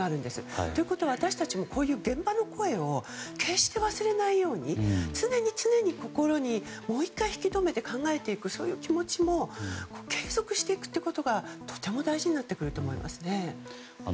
そういった意味で、私たちも現場の声を忘れないように常に心にもう１回引き留めて考えていくそういった気持ちも継続していくことが、とても大事になってくると思いますね。